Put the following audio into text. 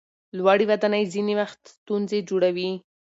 لوړې ودانۍ ځینې وخت ستونزې جوړوي.